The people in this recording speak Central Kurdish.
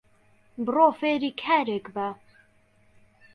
بڕۆ فێری کارێک بە